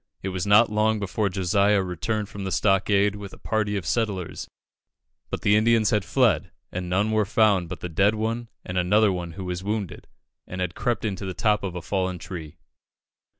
It was not long before Josiah returned from the stockade with a party of settlers; but the Indians had fled, and none were found but the dead one, and another who was wounded, and had crept into the top of a fallen tree.